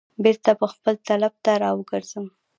بیرته به خپل طلب ته را وګرځم.